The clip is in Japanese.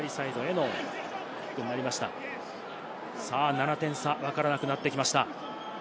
７点差、わからなくなってきました。